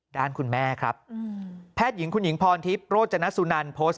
ด้านคุณแม่ครับแพทย์หญิงคุณหญิงพรทิพย์โรจนสุนันโพสต์